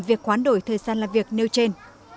việc hoán đổi thời gian làm việc nêu trên